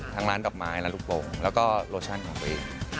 ทั้งร้านกลับไม้ร้านลูกโปรงแล้วก็โลชั่นของกัวเอง